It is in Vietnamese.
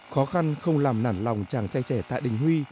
khó khăn không làm nản lòng chàng trai trẻ tạ đình huy